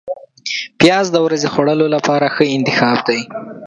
پیاز د ورځې خوړلو لپاره ښه انتخاب دی